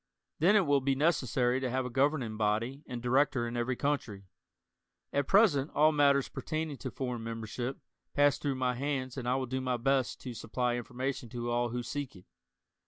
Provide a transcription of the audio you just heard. Then, it will be necessary to have a governing body and director in every country. At present all matters pertaining to foreign membership pass through my hands and I will do my best to supply information to all who seek it.